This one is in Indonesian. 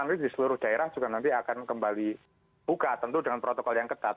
nanti di seluruh daerah juga nanti akan kembali buka tentu dengan protokol yang ketat